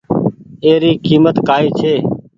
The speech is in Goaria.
اي ري ڪيمت ڪآئي ڇي۔